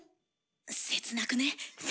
切なくね？